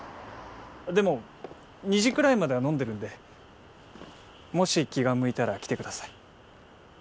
でも２時くらいまでは飲んでるんでもし気が向いたら来てください。